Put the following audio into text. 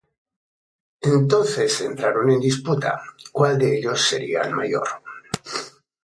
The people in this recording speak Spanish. Entonces entraron en disputa, cuál de ellos sería el mayor.